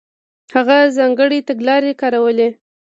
هغه ځانګړې تګلارې کارولې.